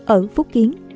ở phúc kiến